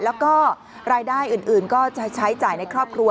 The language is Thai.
แล้วก็รายได้อื่นก็จะใช้จ่ายในครอบครัว